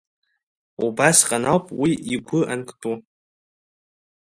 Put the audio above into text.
Убасҟан ауп уи игәы анктәу.